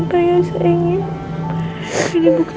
barisan diselesaikan mama